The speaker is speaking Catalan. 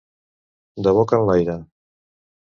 De boca enlaire.